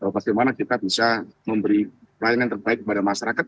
bagaimana kita bisa memberi pelayanan terbaik kepada masyarakat